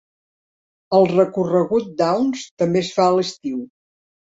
El recorregut Downs també es fa a l'estiu.